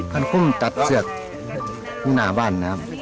มันคุ้มจัดเสือกมุ่งหน้าบ้านนะครับ